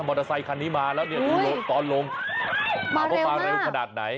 มอเตอร์ไซคล้ากันมานี่รถกำล่งมาเร็วขนาดไหน